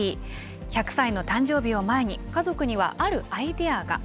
１００歳の誕生日を前に、家族にはあるアイデアが。